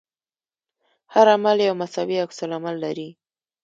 هر عمل یو مساوي عکس العمل لري.